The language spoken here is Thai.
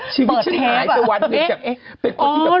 ชีวิตฉันหายไปวันหนึ่งจาก